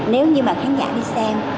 nếu như mà khán giả đi xem